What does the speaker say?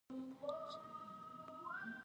له لارې د استول کېدونکو پیغامونو